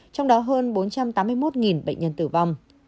trong đó hơn bốn trăm tám mươi một bệnh nhân tử vong